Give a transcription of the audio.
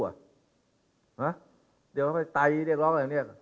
ห้ะเดี๋ยวเขาไปไตเรียกร้องอะไรอย่างนี้